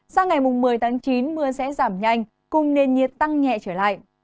sang ngày một mươi tháng chín mưa sẽ giảm nhanh cùng nền nhiệt tăng nhẹ trở lại